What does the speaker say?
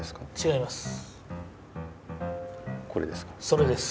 それです。